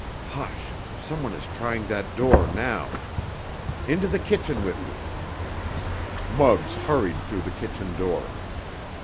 "Hush! Some one is trying that door now. Into the kitchen with you!" Muggs hurried through the kitchen door.